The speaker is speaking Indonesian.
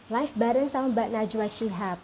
live bareng sama mbak najwa shihab